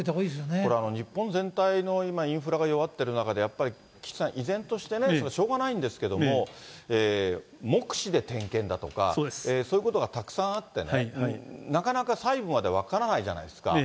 これ日本全体の今、インフラが弱ってる中で、やっぱり、岸さん、依然としてしょうがないんですけれども、目視で点検だとか、そういうことがたくさんあってね、なかなか細部まで分からないじゃないですか。